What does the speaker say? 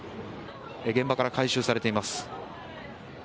現場から回収されています。